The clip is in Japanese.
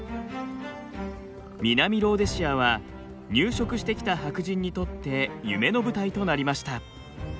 南ローデシアは入植してきた白人にとって夢の舞台となりました。